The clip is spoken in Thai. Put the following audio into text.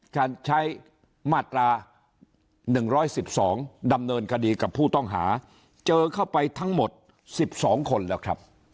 การใช้มาตรา๑๑๒ดำเนินคดีกับผู้ต้องหาเจอเข้าไปทั้งหมด๑๒คนแล้วครับ